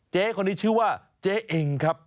เจ๊คนนี้ชื่อว่าเจ๊เองครับ